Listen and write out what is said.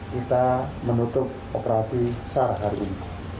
kita menutup operasi seharian